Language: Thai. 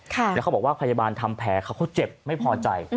แล้วเขาบอกว่าพยาบาลทำแผลเขาเขาเจ็บไม่พอใจ